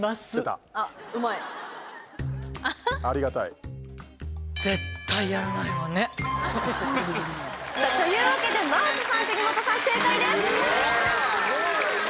確かに！というわけで真麻さんと国本さん正解です。